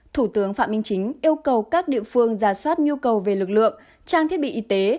thủ tướng phạm minh chính yêu cầu các địa phương giả soát nhu cầu về lực lượng trang thiết bị y tế